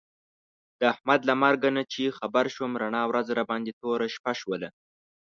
د احمد له مرګ نه چې خبر شوم، رڼا ورځ راباندې توره شپه شوله.